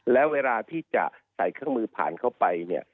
แล้วเวลาที่จะใส่เครื่องมือผ่านเข้าไปเนี่ย